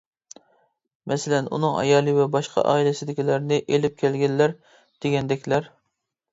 مەسىلەن ئۇنىڭ ئايالى ۋە باشقا ئائىلىسىدىكىلەرنى ئېلىپ كەلگەنلەر. دېگەندەكلەر.